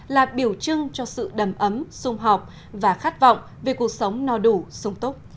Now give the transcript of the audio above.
là biểu trưng cho sự đầm ấm sung học và khát vọng về cuộc sống no đủ sung tốt